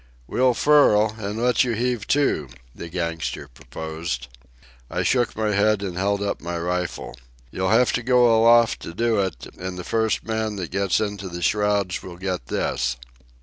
"We'll furl, an' let you heave to," the gangster proposed. I shook my head and held up my rifle. "You'll have to go aloft to do it, and the first man that gets into the shrouds will get this."